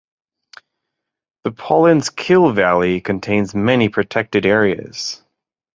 The Paulins Kill valley contains many protected areas.